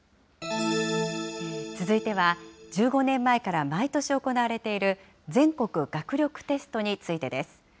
続いては、１５年前から毎年行われている、全国学力テストについてです。